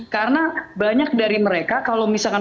karena banyak dari mereka kalau misalkan